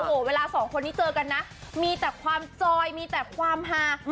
โอ้โหเวลาสองคนนี้เจอกันนะมีแต่ความจอยมีแต่ความหา